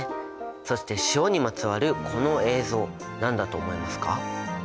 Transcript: そして塩にまつわるこの映像何だと思いますか？